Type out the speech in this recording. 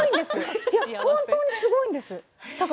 本当にすごいんです。